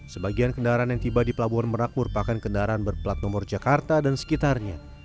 sebagian kendaraan yang tiba di pelabuhan merak merupakan kendaraan berplat nomor jakarta dan sekitarnya